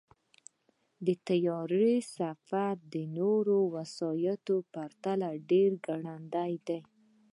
د طیارې سفر د نورو وسایطو پرتله ډېر ګړندی دی.